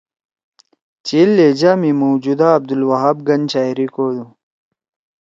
چیل لہجہ می موجودہ عبدلوہاب گن شاعری کودُو۔